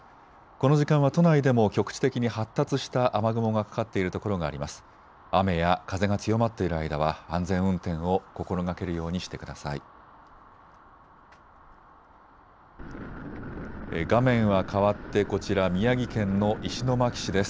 この時間は都内でも局地的に発達した雨雲がかかっている所があります。